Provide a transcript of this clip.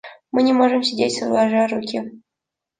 Мы не можем сидеть сложа руки.